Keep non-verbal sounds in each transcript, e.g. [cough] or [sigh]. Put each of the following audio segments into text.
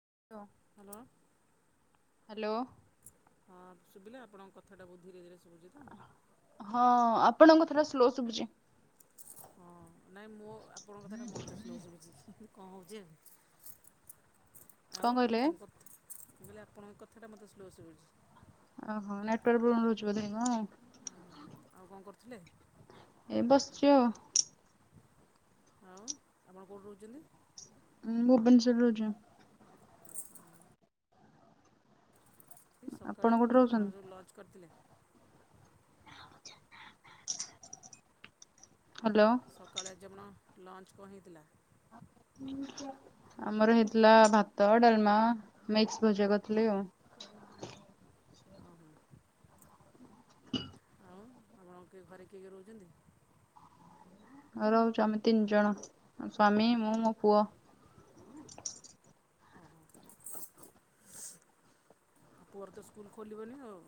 [unintelligible] Hello hello. ହଁ ଶୁଵିଲା ଆପଣଙ୍କ କଥାଟା ବହୁତ ଧୀରେ ଧୀରେ ଶୁଭୁଛି ତ ହଁ ଆପ ଆପଣଙ୍କ କଥା ଟା ସ୍ଲୋ ଶୁବୁଚି। ହଁ ନାଇଁ ମୋ ଆପଣଙ୍କ କଥା ଟା ମତେ ସ୍ଲୋ ଶୁବୁଚି। କଣ ହଉଛି ଏବେ। ଆଉ କଣ କରୁଥିଲ? ମୁଁ କହିଲି ଆପଣଙ୍କ କଥାଟା ମୋତେ ସ୍ଲୋ ଶୁବୁଚି। ଓହୋ ନେଟୱର୍କ ପ୍ରୋବ୍ଲେମ ରହୁଛି ବୋଧେ କି କଣ? ହୁଁ ଆଉ କଣ କରୁଥିଲେ? ଏ ବସିଚି ଆଉ। ଆଉ ଆପଣ କୋଉଠି ରହୁଛନ୍ତି? ଆମେ ଭୁବନେଶ୍ୱର ରେ ରହୁଚୁ। ଆପଣ ସକାଳେ କୋଉଠି କଣ ରହୁଛନ୍ତି ସବୁ ଲଞ୍ଚ କରିଥିଲେ? ହ୍ୟାଲୋ। ସକାଳେ ଆଜି ଆପଣ ଲଞ୍ଚ କଣ ହେଇଥିଲା? ଆମର ହେଇଥିଲା ଭାତ ଡାଲମା ମିକ୍ସ ଭଜା କରିଥିଲି ଆଉ। ଓ ହୋ। ଆଉ ଆପଣ କିଏ ଘରେ କିଏ କିଏ ରହୁଛନ୍ତି? ରହୁଚୁ ଆମେ ତିନି ଜଣ ମୋ ସ୍ଵାମୀ ମୁଁ ମୋ ପୁଅ। ଅ ହ ଆଉ ପୁଅର ତ ସ୍କୁଲ ଖୋଲିବନି ଆଉ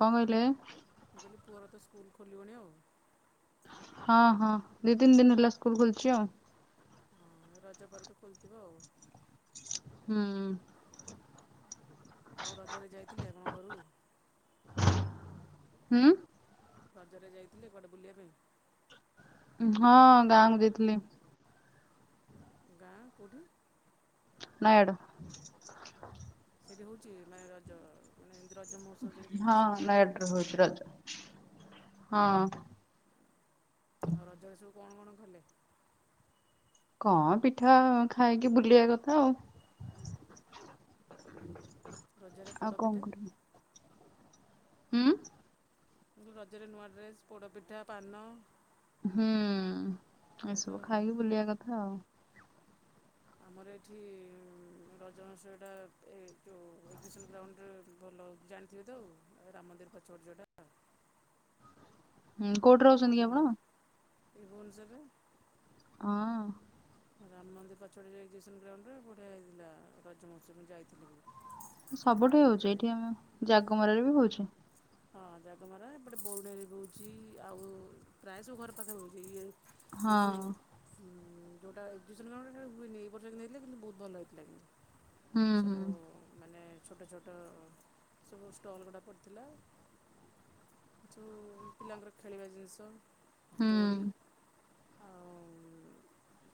କଣ କହିଲେ? ମୁଁ କହିଲି ପୁଅର ତ ସ୍କୁଲ ଖୋଲିବଣି ଆଉ ହଁ ହଁ ଦି ତିନି ଦିନ ହେଲା ସ୍କୁଲ ଖୋଲିଛି ଆଉ ଲଲୋଲଜହଁ ରଜପରେ ତ ଖୋୋଲିଥିବ ଆଉ ହୁଁ। ଆଉ ରଜରେ ଯାଇଥିଲେ ଆପଣଙ୍କ ଘରକୁ? ହୁଁ। ରଜରେ ଯାଇଥିଲେ କୁଆଡେ ବୁଲିବା ପାଇଁ? ହଁ ଗାଁକୁ ଯାଇଥିଲି। ଗାଁ କୋଉଠି? ନୟାଗଡ଼। ସେଇଠି ହଉଛି ନୟା ରଜ ମାନେ ରଜ ମହୋତ୍ସବ ଯେମିତି ହେଉଛି ହଁ ସେଇଠି ହେଉଥିବ ନୟାଗଡ ଆଉ ରେ ହଉଛି ରଜ। ହଁ। ଆଉ ରଜରେ ସବୁ କଣ କଣ କଲେ? କଣ ପିଠା ଖାଇକି ବୁଲିବା କଥା ଆଉ। ରଜରେ ଆଉ ପୋଡ କଣ ପିଠା। କରିବୁ। ହୁଁ। କିନ୍ତୁ ରଜରେ ନୂଆ ଡ୍ରେସ୍, ପୋଡ଼ପିଠା, ପାନ। ହୁଁ। ଏହା ତ ଏସବୁ ଖାଇକି ବୁଲିବା କଥା ଆଉ। ଆମର ଏଠି ରଜନଶଳଟା ଏ ଯୋଉ ଏକବିସନ୍ ଗ୍ରାଉଣ୍ଡରେ ଭଲ ଜାଣିଥିବେ ତ ରାମ ମନ୍ଦିର ପଛ ପଟ ଯୋଉଟା। ହୁଁ କୋଉଠି ରାମ ରହୁଛନ୍ତି କି ଆପଣ? ଏଇ ଭୁବନେଶ୍ୱରରେ। ହଁ। ରାମ ମନ୍ଦିର ପାଛଆରେ ଏକ୍ଜିବିସନ୍ ଗ୍ରାଉଣ୍ଡରେ ବଢିଆ ହେଇଥିଲା ରଜମହୋତ୍ସବ ଯାଇଥିଲି ମୁ। ସବୁଠୁ ହଉଛି ଏଇଠି ଆମେ ଜାଗମରାରେ ବି ହଉଛି। ହଁ ଜାଗମରା ଏପଟେ ବଉଣରେ ବହୁଛି ଆଉ ପ୍ରାୟ ସବୁ ଘର ପାଖରେ ହଉଚି। ଇଏ ଏ ଯଉ ହଁ ଯଉଟା ଏ ବର୍ଷ ନେଇଥିଲେ କିନ୍ତୁ ବହୁତ ଭଲ ହେଇଥିଲା। ହୁଁ ହୁଁ ସବୁ ମାନେ ଛୋଟ ଛୋଟ ସବୁ ଷ୍ଟଲ୍ ଗୁଡ଼ା ପଡ଼ିଥିଲା। ଜଉ ପିଲାଙ୍କର ଖେଳିବା ଜିନିଷ। ଦୋଳି। ହୁଁ ଆଉ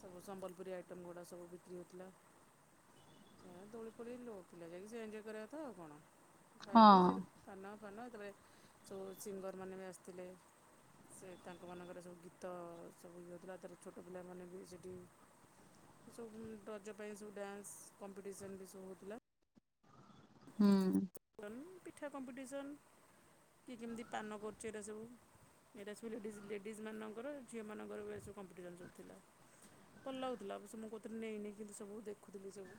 ସବୁ ସମ୍ବଲପୁରୀ ଆଇଟମ୍ ଗୁଡ଼ା ସବୁ ବିକ୍ରି ହେଉଥିଲା ଦୋଳି ପୋଳିି ଲ ପିଲା ଯାଇକି ସେ ଏଞୟ କରିବା ତ ଆଉ କଣ। ଖାାଇଗି ସ ହଁ ସାନ। ାନ ଏତେପଳେ ସବୁ ସିଙ୍ଗରମାନେେ ବି ଆସିଥିଲେ ସେ ତାଙ୍କ ମାନଙ୍କରେ ସବୁ ଗୀତ ସବୁ ଇଏ ହେଉଥିଲା ତାର ଛୋଟ ପିଲାମାନେ ବି ସେଇଠି ସବୁ ରଜ ପାଇଁ ସବୁ ଡ୍ୟାନ୍ସ କମ୍ପିଟିସନ୍ ବି ସବୁ ହେଉଥିଲା। ହୁଁ। ପିଠା କମ୍ପିଟିସନ୍ କି କେମିତି ପାନ କରୁଛି ଏଇଟା ସବୁ ଏଇଟା ସବୁ ଲେଡ଼ିଜ ଲେଡ଼ିଜ୍ ମାନଙ୍କର ଝିଅମାନଙ୍କର ଏ ସବୁ କମ୍ପିଟିସନ୍ ସବୁ ଥିଲା ଭଲ ଲାଗୁଥିଲା ସ ମୁଁ କଉଥିରେ ନେଇନି କିନ୍ତୁ ସବୁ ଦେଖୁଥିଲି ସବୁ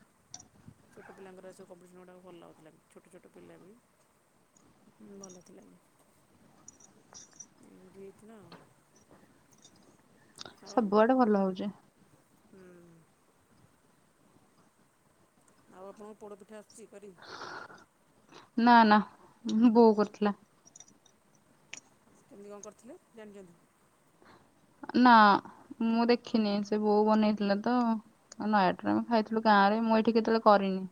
ଛୋଟ ପିଲାଙ୍କର ସବୁ କମ୍ପିଟିସନ୍ ଗୁଡ଼ାକ ଭଲ ଲାଗୁଥିଲା କି ଛୋଟ ଛୋଟ ପିଲା ବି ଭଲ ଥିଲେ। ଏମ୍ ତି ହେଇଥିଲା ଆଉ। ଆଉ ସବୁଆଡେ ଭଲ ହଉଚି। ହୁଁ। ଆଉ ଆପଣଙ୍କ ପୋଡ ପିଠା ଆସୁଛି କରିି। ନା ନା ବୋଉ କରିଥିଲା। କେମିତି କଣ କରିଥିଲେ ଜାଣିଛନ୍ତି? ନା ମୁଁ ଦେଖିନି ସେ ବୋଉ ବନେଇଥିଲା ତ ନଟା ରେ ଖାଇଥିଲୁ ଗାଁ ରେ ମୁଁ ଏଇଠି କେତେବେଳେ କରିନି।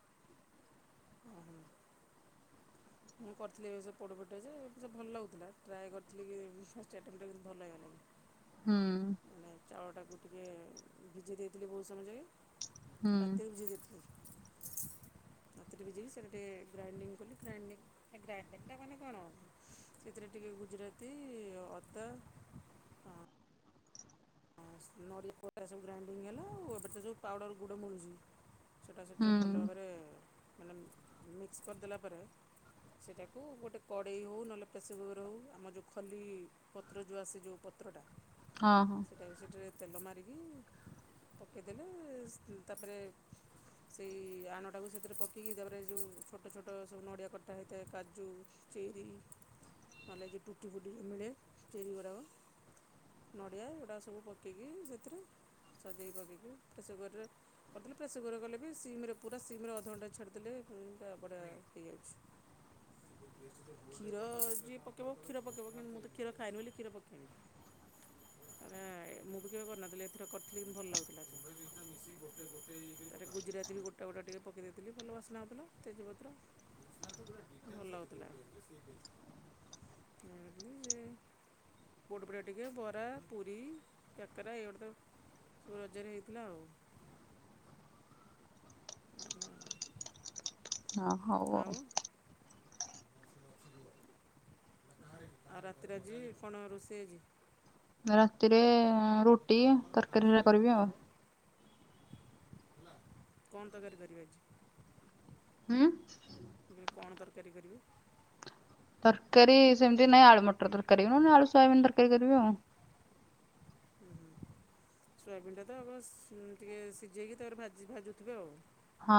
ଓହୋ। ମୁଁ କରିଥିଲି ଏବେ ସେ ପୋଡ଼ପିଠା ଯେ ଏ ଭଲ ଲାଗୁଥିଲା ଟ୍ରାଏ କରିଥିଲି କି ଫାଷ୍ଟ ଆଇଟମ୍ କେ ଭଲ ହେଇଗଲା। ହୁଁ ଟିକେ ଭିଜେଇ ଦେଇଥିଲି ବହୁତ ସମୟ ଯାକେ, ହୁଁ ରାତିରେ ଭିଜେଇ ଦେଇଥିଲି। [unintelligible] ହଁ ନର ପ ସବୁ ଗ୍ରାଇଣ୍ଡିଙ୍ଗ ହେଲା ଏଟ ସବୁ ପାଉଡର ଗୁଡ଼ ମଳୁଛି ସେଇଟା ହୁଁ ସେଥିରେ ଭଲ ଭାବରେ ମାନେ ମିକ୍ସ କରିଦେଲା ପରେ ସେଇଟାକୁ ଗୋଟେ କଡ଼େଇ ହେଉ ନହେଲେ ପ୍ରେସର କୁକର ହେଉ ଆମର ଯେଉଁ ଖଲି ପତ୍ର ଯେଉଁ ଆସେ ଯେଉଁ ପତ୍ରଟା ହଁ ଅଁ ତାପରେ ସେଥିରେ ତେଲ ମାରିକି ପକେଇଦେଲେ ତାପରେ ସେଇ ଆଣଟାକୁ ସେଥିରେ ପକେଇକି ତାପରେ ଛୋଟ ଛୋଟ ସବୁ ନଡ଼ିଆ କଟା ହେଇଥାଏ କାଜୁ ଚେରି ନହେଲେ ଟୁକୁ ଟୁକୁ ମିଳେ ଚେରି ଗୁଡାକ ନଡ଼ିଆ କଟା ସବୁ ପକେଇକି ସେଥିରେ ସଜେଇି ପକେଇକି ପ୍ରେସର କୁକରରେ କରିଦେଲି ପ୍ରେସର କୁକର କଲେ ବି ସିମେ ପୁରା ସିମରେ ଅଧଘଣ୍ଟା ଛାଡ଼ିଦେଲେ ବଢ଼ିଆ ହେଇଯାଉଛି କ୍ଷୀର ଯିଏ ପକେଇବ କ୍ଷୀର ପକେଇବ କି ମୁଁ ତ କ୍ଷୀର ଖାଇନି ବୋଲି କ୍ଷୀର ପକେଇନି। ତାରେ ମୁଁ ବି କେବେ କରିନଥିଲି ଏଥର କରିଥିଲି କିନ୍ତୁ ଭଲ ଲାଗୁଥିଲା ତାରେ ଗୁଜୁରାତି ବି ଗୋଟା ଗୋଟା ଟିକେ ପକେଇ ଦେଇଥିଲି ଭଲ ବାସ୍ନା ହେଉଥିଲା ତେଜପତ୍ର ଭଲ ଲାଗୁଥିଲା ଯେ ଗୋଟ ପଟେ ଟିକେ ବରା ପୁରୀ କାକେରା ଏଇଗୁଡ଼େ ତ ସବୁ ରଜରେ ହେଇଥିଲା ଆଉ। ହ ହଉ ଆଉ, ଆଉ ରାତିରେ ଆଜି କଣ ରୋଷେଇ ହେଇଛି। ରାତିରେ, ରୁଟି ତରକାରୀ ହେରା କରିବି ଆଉ। କଣ ତରକାରୀ କରିବେ ଆଜି? ହୁଁ ଏବେ କଣ ତର କାରି କରିବୁ। ତରକାରୀ ସେମିତି ନାହିଁ। ଆଳୁ ମଟର ତରକାରୀ ନୁ ନହେଲେ ଆଳୁ ସୋୟାବିିନ ତରକାରୀ କରିବି ଆଉ। ହୁଁ ସୋୟାବିିନଟା ତ ଆଉ କଣ ସି ହୁଁ ଟିକେ ସିଝେଇକି ତାପରେ ଭାଜି ଭାଜୁଥିବେ ଆଉ। ହଁ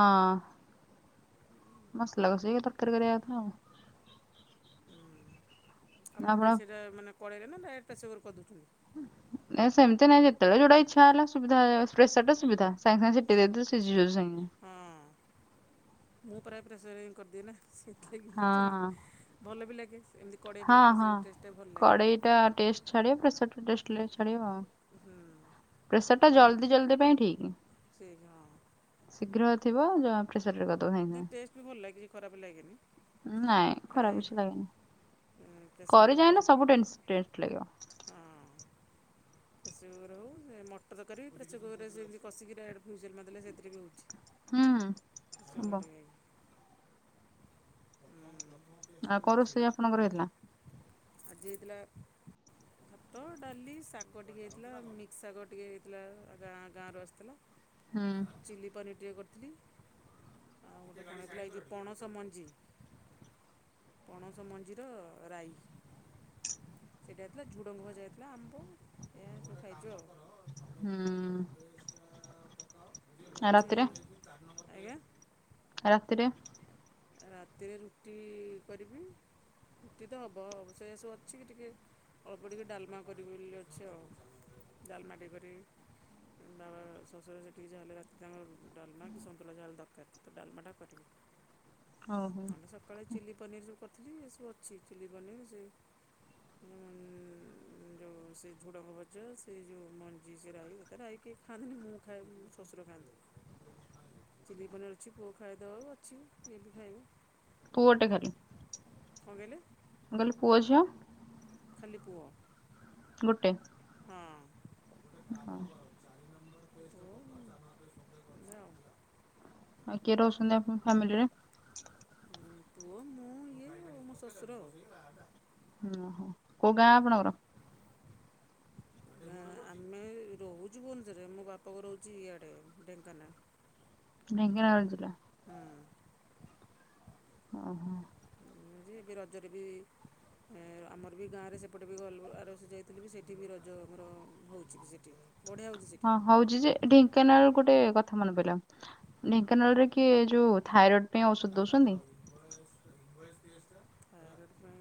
ମସଲା କସିକି ତରକାରି କରିବା କଥା ଆଉ। ହୁଁ ଆପଣ ଦେଶିଟା ମାନେ କଢ଼େଇରେ ନା ଡାଇରେକ୍ଟ ପ୍ରେସର୍ କୁକରରେ କରିଦଉଛନ୍ତି। ନାହିଁ ସେମିତି ନାହିଁ ଯେ ଯେତେବେଳେ ଯେ‌ଉଁଟା ଇଚ୍ଛା ହେଲା ସୁବିଧା ଏ ଟ୍ରସ୍ ସେଟରେ ସୁବିଧା ସାଙ୍ଗେ ସାଙ୍ଗେ ସିଟି ଦେଇ ଦେଲେ ଶିଝି ଯାଉଛି ସାଙ୍ଗ୍ ହୁଁ। ହଁ ମୁଁ ପ୍ରାୟ ପ୍ରେସରିଂ କରିଦିଏ ନା। ସେଥିଲାଗି ପଚାରିଲି ହଁ [unintelligible] ଭଲ ବି ଲାଗ୍ ହଁ ହଁ କଡ଼େଇ ଟା ଟେଷ୍ଟ ଛାଡିବା ପ୍ରେସର୍ ଠୁ ଡଷ୍ଟ ଲେସ୍ ଛାଡି ଆଉ। ହୁଁ ପ୍ରେସର ଟା ଭଲ ଜଲଦି ଜଲଦି ପାଇଁ ଠିକ। ସେ ହଁ ଶୀଘ୍ର ଥିବ। ଜଣା ପ୍ରେସ୍ ପ୍ରେସରରେ କରିଦବ ସାଙ୍ଗେ ନାଇଁ ସାଙ୍ଗେ। ଟେଷ୍ଟ ବି ଭଲ ଲାଗେ କିଛି ଖରାପ ଲାଗେନି। ନାଇଁ ଖରାପ ପ୍ରାୟ କିଛି ଲାଗେନି। ପ୍ରେସର୍ କରି କୁକର୍ ଯାଣିଲେ ସବୁ ଟେନସ୍ ଟେଷ୍ଟ ଲାଗିବ। [unintelligible] ପ୍ରେସରକୁକର ହଉ ମଟର ତରକାରି ପ୍ରେସର କୁକରରେ ସେମିତି କଷିକି ଡାଇରେକ୍ଟ ଫୁଜେଲ ମାରିଦେଲେ ସେଥିରେ ବି ହଉଛି। ହୁଁ ହବ। ଆଉ କଉ ରୋଷେଇ ଆପଣଙ୍କର ହେଇଥିଲା? ଆଜି ହେଇଥିଲା ଭାତ, ଡାଲି, ଶାଗ ଟିକେ ହେଇଥିଲା ମିକ୍ସ ଶାଗ ଟିକେ ହେଇଥିଲା ଗାଁ ଗାଁରୁ ଆସିଥିଲା। ହୁଁ ଚିଲି ପନିର ଟିକେ କରି ଥିଲି। ଆଉ ଗୋଟେ କଣ ହେଇଥିଲା ଆଜି ପଣସ ମଞ୍ଜି। ପଣସ ମଞ୍ଜିର ରାଇ। ଏଇଟା ହେଇଥିଲା ଝୁଡ଼ଙ୍ଗ ଭଜା ହେଇଥିଲା ଆମ୍ବ ଏ ସବୁ ଖାଇଛୁ ଆଉ। ହୁଁ ଆଉ ଜେ ରାତିରେ ଆଜ୍ଞା! ରାତିରେ? ରାତିରେ ରୁଟି କରିବି ରୁଟି ତ ହବ ଅବଶ୍ୟ ଏ ସବୁ ଅଛି ଟିକେ ଅଳ୍ପ ଟିକେ ଡାଲ୍ମା କରିବି ବୋଲି ଅଛି ଆଉ। ଡାଲ୍ମା ଟିକେ କରିବି। ବାବା ଶଶୁର ସେଇଠି ଯାହା ହେଲେ ରାତିରେ ଆମର ରୁ ଡାଲ୍ମା କି ସନ୍ତୁଳା ଯାହାହେଲେ ଦର୍ ତା ସହିତ ଡାଲମାଟା କରିବି। ଓହୋ ଆମେ ସକାଳେ ଚିଲି ପନିର କରିଥିଲି ଏସବୁ ଅଛି ଚିଲି ପନିର୍ ସେ ହୁଁ ଯେଉଁ ସେ ଝୁଡ଼ଙ୍ଗ ଭଜା ସେ ଯେଉଁ ମଞ୍ଜି ସେ ରାଇ ଏଇଟା ରାଇ କିଏ ଖାଆନ୍ତିନି ମୁଁ ଖାଏ ମୋ ଶ୍ୱଶୁର ଖାଆନ୍ତି ଚିଲି ପନିର୍ ଅଛି ପୁଅ ଖାଇଦେବ ଅଛି। ଏଠି ଖାଇବୁ। ପୁଅ ଟେ ଖାଲି। କଣ କହିଲେ? ମୁଁ ପୁଅ ଝିଅ? ଖାଲି ପୁଅ। ଗୋଟେ। ହଁ। ହଉ ଏୟା। ଆ କିଏ ରହୁଛନ୍ତି ଆପଣ ଫ୍ୟାମିଲିରେ? ପୁଅ ମୁଁ ଇଏ ଆଉ ମୋ ଶଶୁର ଆଉ। ଓଁ ହୋ କୋଉ ଗାଁ ଆପଣଙ୍କର? ଆମେ ରହୁଛୁ ଭୁବନେଶ୍ୱରରେ ମୋ ବାପ ଘର ହଉଛି ଇଆଡେ ଢେଙ୍କାନାଳ। ଢ଼େଙ୍କାନାଳ ଜିଲ୍ଲା। ହୁଁ ଓ ହୋ। ଏବେ ରଜରେ ବି ଆମର ବି ଗାଁରେ ସେପଟେ ବି ଗଲୁ ଆରବର୍ଷ ଯାଇଥିଲି ବି ସେଠି ବି ରଜ ଆମର ହଉଛି ସେଠି ବି। ହଁ ହଉଛି ଯେ ଢେଙ୍କାନାଳ ଗୋଟେ କଥା ମନେ ପଇଲ ଢେଙ୍କାନାଳରେ କିଏ ଯୋଉ ଥାଇରଏଡ ପାଇଁ ଗୋଟେ ଔଷଧ ଦଉଛନ୍ତି। ଥାଇରଏଡ଼ ପାଇଁ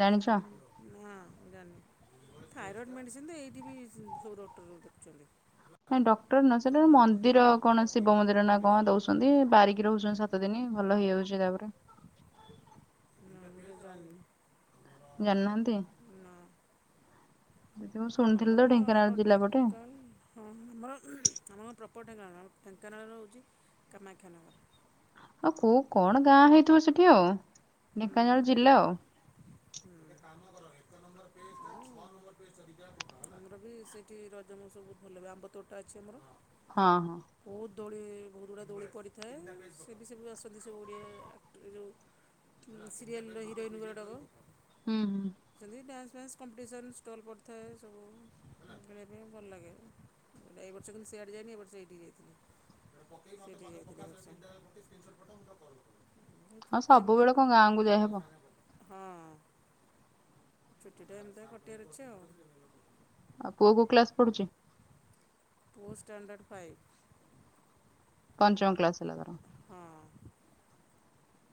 ଜାଣିଛ? ସେଇଟା ବି ନୂଆଁ। ଜାଣି ଥାଇରଡ଼ ମେଡିସିନ ତ ଏଇଠି ବି ସବୁ ଡକ୍ଟର ଦେଖୁଛନ୍ତି। ନାଇଁ ଡଟ ଏକ ସେଟା ନମ୍ବର ଏକ ମନ୍ଦିର ନମ୍ବର କଣ ଆଉ ଦୁଇ ଶିବ ନମ୍ବର ମନ୍ଦିର ନା ଠିକ୍ ଅଛି। କଣ ଦଉଛନ୍ତି ବାରିକି ରହୁଛନ୍ତି ସାତ ଦିନ ଭଲ ହେଇଯାଉଛି। ଜେଗା ଉପରେ। [unintelligible] ଜାଣି ନାହାନ୍ତି। ନା ଆମର ତ କଣ ଢେଙ୍କାନାଳ ଆମର ଜିଲ୍ଲା ପଟେ ଢେଙ୍କାନାଳ ଅମ୍ ତମର? ମୁଁ ପ୍ରପର୍ ଢେଙ୍କାନାଳ। ଢେଙ୍କାନାଳ ରେ ରହୁଚି କାମାକ୍ଷା ନଗର। ଆଉ କୋଉ କଣ ଗାଁ ହେଇଥିବ ସେଠି ଆଉ। ଢେଙ୍କାନାଳ ହୁଁ। ଜିଲ୍ଲା ଆଉ। ଗୋଟେ ଆମର ବି ସେଇଠି ରଜ ମହୋତ୍ସବ ବହୁତ ଭଲରେ ‌ହୁଏ। ଆମ୍ବତୋଟା ଅଛି ଆମର। ହଁ। ବହୁତ ଦୋଳି ବହୁତ ଗୁଡା ଦୋଳି ପଡ଼ିଥାଏ। ସିଏ ବି ସବୁ ଆସନ୍ତି ସବୁ ଓଡ଼ିଆ ଆକ୍ଟର୍ ଯୋଉ ସିରିଏଲ୍ ର ହିରୋଇନ୍ ଗୁରଡାକ। ହଁ ହୁଁ ହୁଁ ସେଲି ଡ୍ୟାନ୍ସ। ଫ୍ରେଣ୍ଡସ୍ କମ୍ପିଟିସନ୍ ଷ୍ଟଲ୍ ପଡ଼ିଥାଏ ସବୁ ଉମ୍ ସବ୍ ବେଳେ ଏବେ ଭଲ୍ ଲାଗେ। ଏବେ ଏ ବର୍ଷ କିନ୍ତୁ ସିଆଡ଼େ ଯାଇନି ଏ ବର୍ଷ ଏଠିକି ଯାଇଥିଲି। ସେଇଠିକି ଯାଇଥିଲି ଏ ବର୍ଷ। ହଁ ସବୁବେଳେ କଁ ଗାଁକୁ ଯାଇହବ? ସାଙ୍ଗେ ପଠା। ହଁ। ଛୁଟି ଟା ଏମିତିଆ କଟିଆର ଅଛି ଆଉ। ଆଉ ପୁଅ କୋଉ କ୍ଲାସ ପଢୁଚି? ପୁଅ ଷ୍ଟାଣ୍ଡାର୍ଡ଼ ଫାଇଭ୍। ପଞ୍ଚମ କ୍ଲାସ। ତେଲ ଗରମ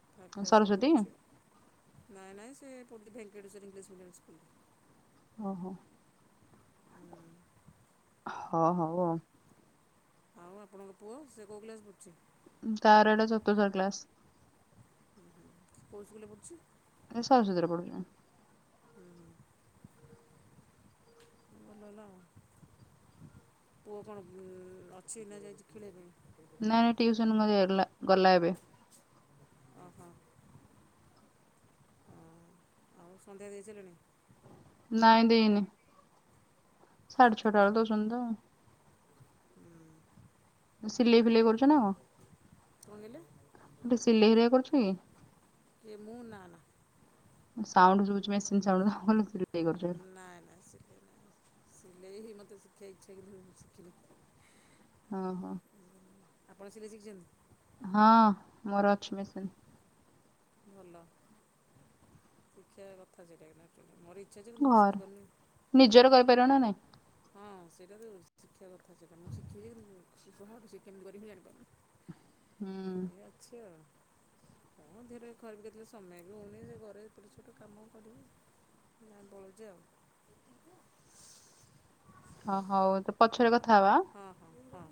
ଅପ୍ଲା ରେ କ୍ଲାସ ରେ ସରସ୍ଵତୀ ପଢ଼ୁଛି। ନାଇଁ ନାଇଁ ସେ ପଡୁଚି ଭେଙ୍କେଟେଶ୍ୱର ଇଂଲିଶ୍ ମିଡ଼ିୟମ୍ ସ୍କୁଲରେ। ଆ ହ। ହ ହଉ ଆଉ। ଆଉ ଆପଣଙ୍କ ପୁଅ ସେ କୋଉ କ୍ଲାସରେ ପଢୁଛି? ତାର ଏଇଟା ଚତୁର୍ଥ କ୍ଲାସ। ଓହୋ କୋଉ ସ୍କୁଲରେ ପଢୁଛି? ଏ ସରସ୍ବତୀରେ ପଢୁଛି। ହୁଁ। ଭଲ ହେଲା ଆଉ ପୁଅ କଣ ଉଁ ଅଛି ନା ଯାଇଛି ଖେଳିବା ପାଇଁ? ନାଇଁ ନାଇଁ ଟିଉସନ ମାଗେ ଲା ଗଲା ଏବେ। ଓହୋ ହଁ ଆଉ ସନ୍ଧ୍ୟା ଦେଇସାଇଲଣି? ନାଁ ଦେଇନି ସାଡେ ଛଟା କଣ ବେଳେ ଦଉଛନ୍ତି ତ। ଉଁ ସିଲେଇ ଫିଲେଇ କରୁଛ ନା କଁ? କହିଲେ ତୁ ସିଲେଇ ହେରିକା କରୁଚି କି? କିଏ ମୁଁ ନା ନା। ଉଁ ସାଉଣ୍ଡୁ ଶୁଭୁଛି ମେସିନ ସାଉଣ୍ଡ ତ ମୁଁ କହିଲି ସିଲେଇ କରୁଛ ବୋଲି। ନାଇଁ ନାଇଁ ସେ କେହି ନାଇ। ସିଲେଇ ହିଁ ମତେ ସିଖିବାକୁ ଇଚ୍ଛା କିନ୍ତୁ ମୁଁ ସିଖିନି। ହଁ। ଆପଣ ସିଲେଇ ଶିଖିଛନ୍ତି? ହଁ ମୋର ଅଛି ମେସିନ। ଭଲ ଶିଖିଆ କଥା ସେଟା କିନ୍ତୁ ଆକଚୁଆଲି ମୋର ଇ ବାହାରୁ ନିଜର କହିପାରିବ ନା ନାଇଁ। ହଁ ସେଇଟା ତ ଶିଖିବା କଥା ସେଇଟା ମୁଁ ଶିଖିନି କିନ୍ତୁ କେମିତି କରିବି ହୁଁ ଜାଣିପାରୁନି। ଏ ଅଛି ଆଉ। ହଁ ଧୀରେ ଘରେ ବି କେତେବେଳେ ସମୟ ହଉନି ସେ ଘରେ ଏପଟସେପଟ କାମ କରିକି [unintelligible] ପଳାଉଛି। ଓ ହଉ ତ ପଛରେ କଥା ହବା। ହଁ ହଁ ହଁ